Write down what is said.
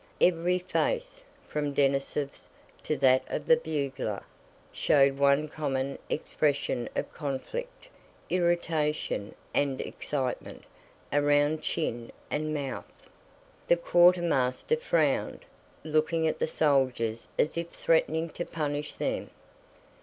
Every face, from Denísov's to that of the bugler, showed one common expression of conflict, irritation, and excitement, around chin and mouth. The quartermaster frowned, looking at the soldiers as if threatening to punish them.